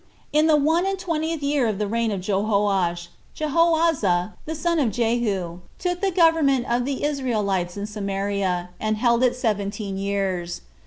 5. In the one and twentieth year of the reign of Jehoash, Jehoahaz, the son of Jehu, took the government of the Israelites in Samaria, and held it seventeen years.